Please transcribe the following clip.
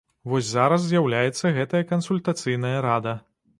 Вось зараз з'яўляецца гэтая кансультацыйная рада.